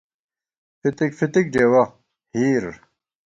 فِتِک فِتِک ڈېوَہ (ہِیر)